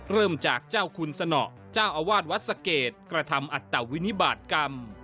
เริ่มจากเจ้าคุณสนอเจ้าอาวาสวัดสะเกดกระทำอัตวินิบาตกรรม